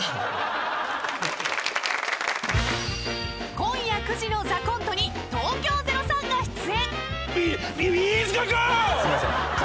［今夜９時の『ＴＨＥＣＯＮＴＥ』に東京０３が出演］